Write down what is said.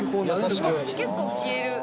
結構消える。